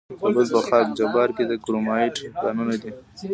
د کابل په خاک جبار کې د کرومایټ کانونه دي.